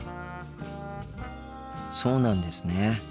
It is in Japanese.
そうなんですね。